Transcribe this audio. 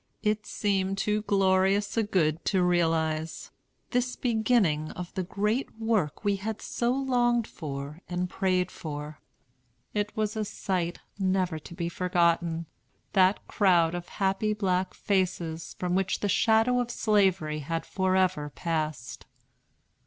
It seemed too glorious a good to realize, this beginning of the great work we had so longed for and prayed for. It was a sight never to be forgotten, that crowd of happy black faces from which the shadow of Slavery had forever passed.